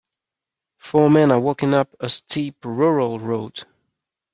Four men are walking up a steep rural road.